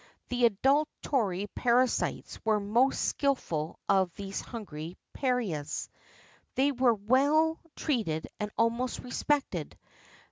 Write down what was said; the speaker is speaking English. The adulatory parasites were the most skilful of these hungry parias. They were well treated and almost respected.